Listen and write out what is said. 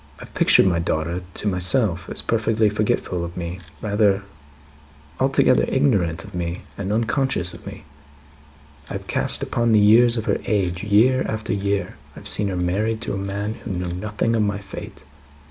"I have pictured my daughter, to myself, as perfectly forgetful of me rather, altogether ignorant of me, and unconscious of me. I have cast up the years of her age, year after year. I have seen her married to a man who knew nothing of my fate.